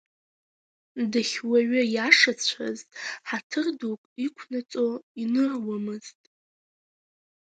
Дахьуаҩы иашацәаз ҳаҭыр дук иқәнаҵо иныруамызт.